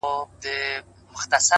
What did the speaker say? سکون له دننه پیدا کېږي؛